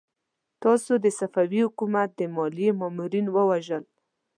تاسو د صفوي حکومت د ماليې مامورين ووژل!